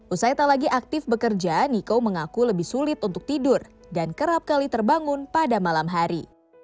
usai tak lagi aktif bekerja niko mengaku lebih sulit untuk tidur dan kerap kali terbangun pada malam hari